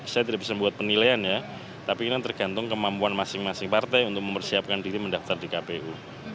saya tidak bisa membuat penilaian ya tapi ini tergantung kemampuan masing masing partai untuk mempersiapkan diri mendaftar di kpu